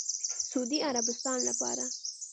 سعودي عربستان لپاره